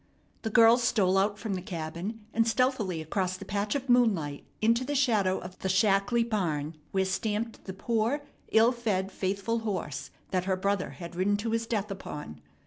The girl stole out from the cabin and stealthily across the patch of moonlight into the shadow of the shackly barn where stamped the poor, ill fed, faithful horse that her brother had ridden to his death upon.